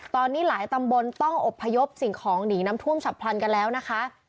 ตอนนี้หลายตำบลต้องอบพยพสิ่งของหนีน้ำท่วมฉับพลันกันแล้วนะคะ